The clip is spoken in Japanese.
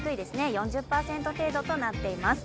４０％程度となっています。